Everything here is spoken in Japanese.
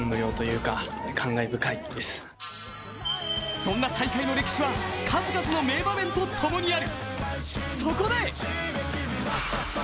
そんな大会の歴史は数々の名場面とともにある。